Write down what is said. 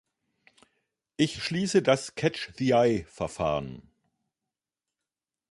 Ich schließe das "Catch-the-eye"Verfahren.